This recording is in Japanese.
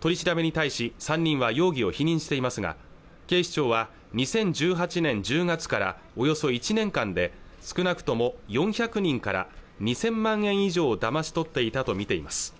取り調べに対し３人は容疑を否認していますが警視庁は２０１８年１０月からおよそ１年間で少なくとも４００人から２０００万円以上をだまし取っていたとみています